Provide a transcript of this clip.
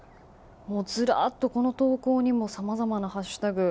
ずらっと、この投稿にもさまざまなハッシュタグ＃